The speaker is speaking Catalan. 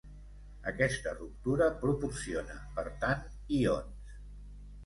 Aquesta ruptura proporciona, per tant, ions.